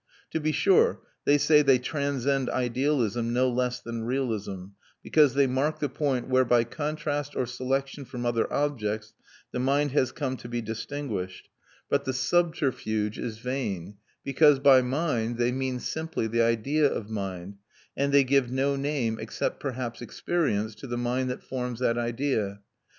To be sure, they say they transcend idealism no less than realism, because they mark the point where, by contrast or selection from other objects, the mind has come to be distinguished: but the subterfuge is vain, because by "mind" they mean simply the idea of mind, and they give no name, except perhaps experience, to the mind that forms that idea.